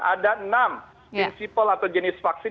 ada enam prinsipal atau jenis vaksin